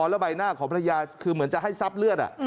แล้วใบหน้าของภรรยาคือเหมือนจะให้ซับเลือด